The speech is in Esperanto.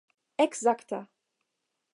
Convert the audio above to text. ekzakta